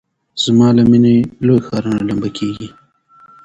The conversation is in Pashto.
زما له میني لوی ښارونه لمبه کیږي